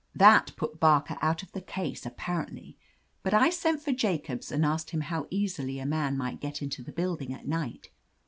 That put Barker out of the case, apparently, but I sent for Jacobs and asked him how easily a man could get into the building at night.